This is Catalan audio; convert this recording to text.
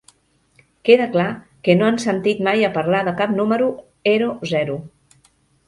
Queda clar que no han sentit mai a parlar de cap número ero zero.